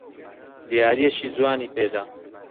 دیارییەکی جوانی پێ دا.